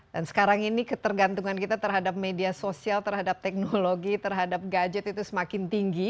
dan sekarang ini ketergantungan kita terhadap media sosial terhadap teknologi terhadap gadget itu semakin tinggi